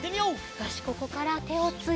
よしここからてをついて。